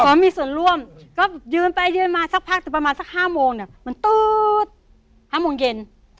มีส่วนร่วมก็ยืนไปยืนมาสักพักแต่ประมาณสัก๕โมงเนี่ยมันตื๊ด๕โมงเย็น